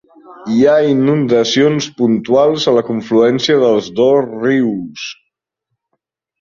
Hi ha inundacions puntuals a la confluència dels dos rius.